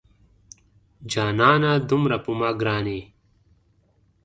جانانه دومره په ما ګران یې